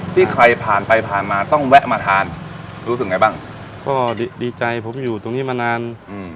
ที่ใครผ่านไปผ่านมาต้องแวะมาทานรู้สึกไงบ้างก็ดีใจผมอยู่ตรงนี้มานานอืม